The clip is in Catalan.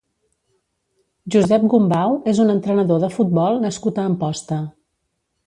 Josep Gombau és un entrenador de futbol nascut a Amposta.